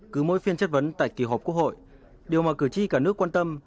cứ mỗi phiên chất vấn tại kỳ họp quốc hội điều mà cử tri cả nước quan tâm